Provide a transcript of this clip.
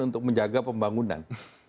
untuk menjaga pembangunan